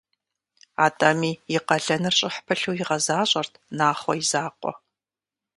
Атӏэми и къалэныр щӏыхь пылъу игъэзащӏэрт Нахъуэ и закъуэ.